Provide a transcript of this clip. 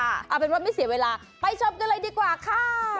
เอาเป็นว่าไม่เสียเวลาไปชมกันเลยดีกว่าค่ะ